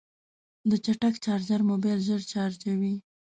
د چټک چارجر موبایل ژر چارجوي.